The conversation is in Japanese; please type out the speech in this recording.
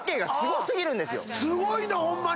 すごいねホンマに。